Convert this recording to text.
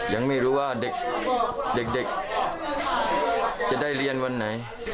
ยังไม่รู้ว่าเด็กจะได้เรียนวันไหน